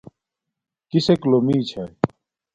کسک لومی چھاݵ